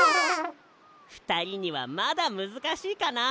ふたりにはまだむずかしいかな。